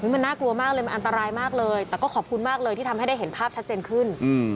มันน่ากลัวมากเลยมันอันตรายมากเลยแต่ก็ขอบคุณมากเลยที่ทำให้ได้เห็นภาพชัดเจนขึ้น